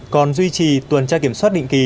còn duy trì tuần tra kiểm soát định kỳ